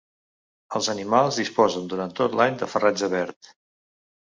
Els animals disposen durant tot l'any de farratge verd.